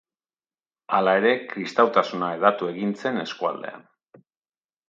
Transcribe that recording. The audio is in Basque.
Hala ere kristautasuna hedatu egin zen eskualdean.